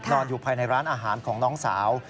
อยู่ภายในร้านอาหารของน้องสาว